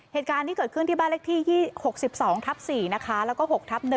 เหตุการณ์ที่เกิดขึ้นที่บ้านเลขที่๖๒ทับ๔นะคะแล้วก็๖ทับ๑